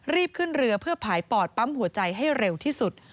ขึ้นเรือเพื่อผ่ายปอดปั๊มหัวใจให้เร็วที่สุด